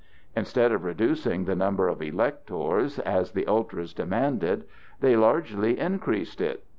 Instead of reducing the number of electors (as the ultras demanded), they largely increased it.